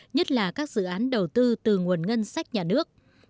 nhất là các dự án đầu tư từ nguồn ngân sách nhà nước